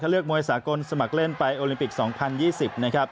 เลือกมวยสากลสมัครเล่นไปโอลิมปิก๒๐๒๐นะครับ